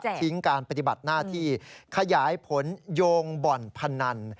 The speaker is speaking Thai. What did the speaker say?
ทิ้งการปฏิบัติหน้าที่ขยายผลโยงบ่อนพนัน